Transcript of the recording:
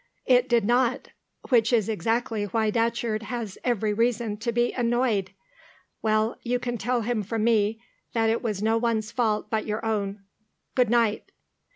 "It did not. Which is exactly why Datcherd has every reason to be annoyed. Well, you can tell him from me that it was no one's fault but your own. Good night."